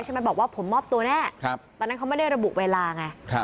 ใช่ไหมบอกว่าผมมอบตัวแน่ครับเต๋อทั้งนั้นเขาไม่ได้ระบุเวลาไง